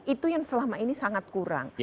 itu yang selama ini sangat kurang